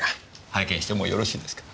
拝見してもよろしいですか？